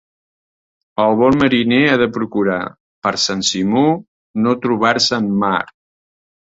El bon mariner ha de procurar, per Sant Simó, no trobar-se en mar.